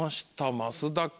増田君。